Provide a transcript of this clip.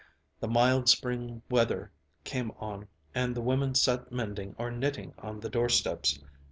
The mild spring weather came on and the women sat mending or knitting on the doorsteps.